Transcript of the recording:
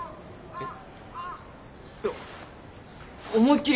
えっ？